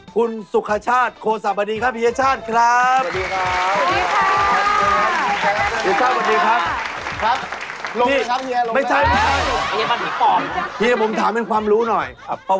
คุณสุขชาติโครสัตย์บันดีครับ